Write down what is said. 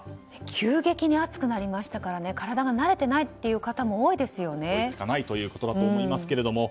急激に暑くなりましたから体が慣れていない方も多いですよね。